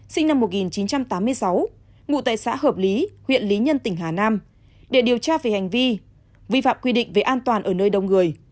sinh năm một nghìn chín trăm tám mươi sáu ngụ tại xã hợp lý huyện lý nhân tỉnh hà nam để điều tra về hành vi vi phạm quy định về an toàn ở nơi đông người